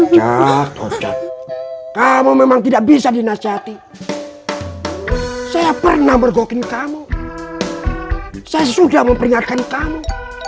ya ustadz kamu memang tidak bisa dinasihati saya pernah bergoking kamu saya sudah memperingatkan kamu